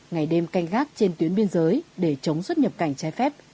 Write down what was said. ngày đêm canh gác trên tuyến biên giới để chống xuất nhập cảnh trái phép